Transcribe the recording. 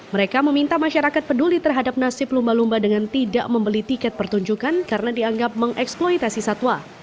mereka meminta masyarakat peduli terhadap nasib lumba lumba dengan tidak membeli tiket pertunjukan karena dianggap mengeksploitasi satwa